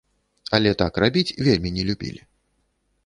Але так рабіць вельмі не любілі.